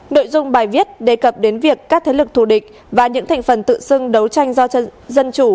nội dung bài viết đề cập đến việc các thế lực thù địch và những thành phần tự xưng đấu tranh do dân chủ